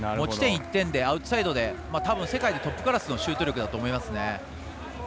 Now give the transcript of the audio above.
持ち点１点でアウトサイドでたぶん世界でトップクラスのシュート力だと思います。